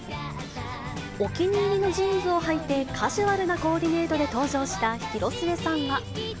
お気に入りのジーンズをはいて、カジュアルなコーディネートで登場した広末さんは。